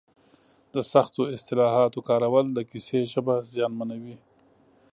د سختو اصطلاحاتو کارول د کیسې ژبه زیانمنوي.